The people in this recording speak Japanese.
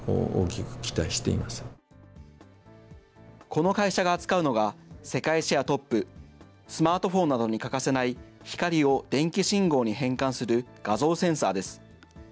この会社が扱うのが世界シェアトップ、スマートフォンなどに欠かせない、光を電気信号に変換する画像センサーです。